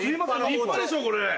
立派でしょこれ。